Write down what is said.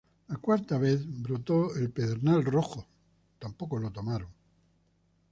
La cuarta vez brotó el pedernal rojo; tampoco lo tomaron.